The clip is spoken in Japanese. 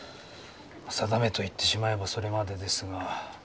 定めと言ってしまえばそれまでですが。